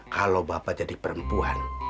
kalau bapak jadi perempuan